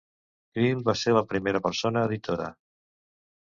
Creel va ser la primera persona editora.